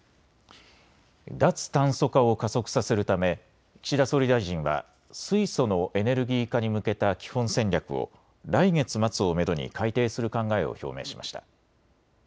脱炭素化を加速させるため岸田総理大臣は水素のエネルギー化に向けた基本戦略を来月末をめどに改定する考えを表明しました。